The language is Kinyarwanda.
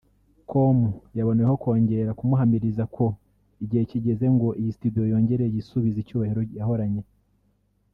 com yaboneyeho kongera kumuhamiriza ko igihe kigeze ngo iyi studio yongere yisubize icyubahiro yahoranye